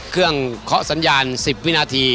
เครื่องเคาะสัญญาณ๑๐วินาที